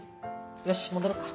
よし戻ろうか。